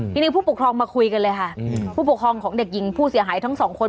ทีนี้ผู้ปกครองมาคุยกันเลยค่ะผู้ปกครองของเด็กหญิงผู้เสียหายทั้งสองคน